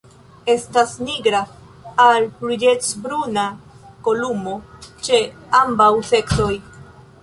Estas nigra al ruĝecbruna kolumo ĉe ambaŭ seksoj.